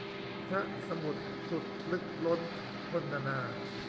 พระสมุทรสุดลึกล้น คณนา